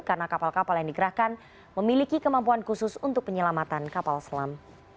karena kapal kapal yang digerahkan memiliki kemampuan khusus untuk penyelamatan kapal selam